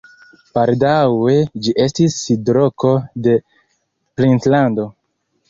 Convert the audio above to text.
Baldaŭe ĝi estis sidloko de princlando.